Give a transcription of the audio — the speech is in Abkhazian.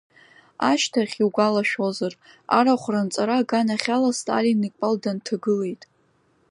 Ашьҭахь, иугәалашәозар, арахә ранҵара аганахьала Сталин икәал дынҭагылеит.